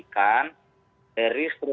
saya sudah melihatkan